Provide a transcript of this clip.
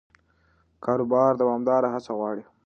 کاروبار دوامداره هڅه غواړي.